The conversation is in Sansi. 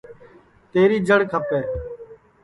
تیری جڑ کھپئے